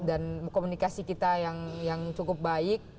dan komunikasi kita yang cukup baik